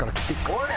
おい！